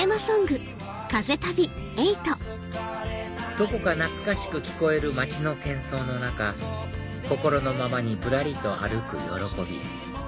どこか懐かしく聞こえる街の喧噪の中心のままにぶらりと歩く喜び